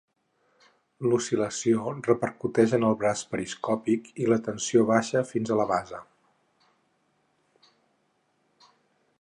L'oscil·lació repercuteix en el braç periscòpic i la tensió baixa fins a la base.